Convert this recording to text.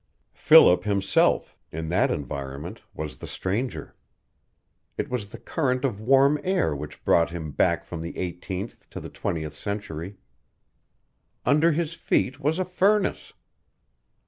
Philip himself, in that environment, was the stranger. It was the current of warm air which brought him back from the eighteenth to the twentieth century. Under his feet was a furnace!